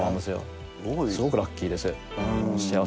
すごくラッキーです。